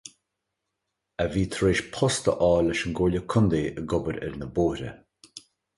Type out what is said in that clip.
A bhí tar éis post a fháil leis an gcomhairle contae ag obair ar na bóithre.